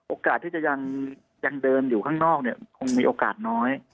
โอกาสที่จะยังเดินอยู่ข้างนอกเนี่ยคงมีโอกาสน้อย